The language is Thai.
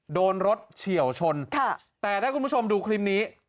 โดนรถเฉียวชนแต่ถ้าคุณผู้ชมดูคลิปนี้